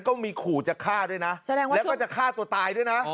ก็มีขู่จะฆ่าด้วยนะแสดงว่าแล้วก็จะฆ่าตัวตายด้วยนะ